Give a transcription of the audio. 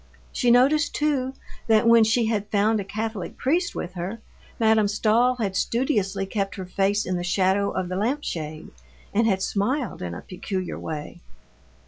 She noticed, too, that when she had found a Catholic priest with her, Madame Stahl had studiously kept her face in the shadow of the lamp shade and had smiled in a peculiar way.